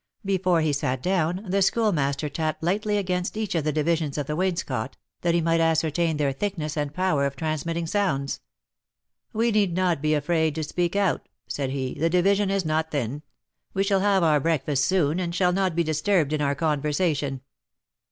Before he sat down, the Schoolmaster tapped lightly against each of the divisions of the wainscot, that he might ascertain their thickness and power of transmitting sounds. "We need not be afraid to speak out," said he; "the division is not thin. We shall have our breakfast soon, and shall not be disturbed in our conversation."